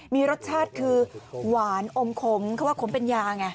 มีรสชาติคือหวานอมขมเขาว่าขมเป็นยาไง